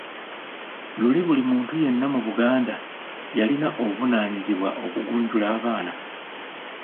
Luli buli muntu yenna mu Buganda yalina obuvunaanyizibwa okugunjula abaana.